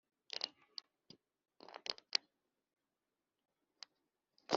mu y’uturere n’intara ni njyanama z’uturere n’intara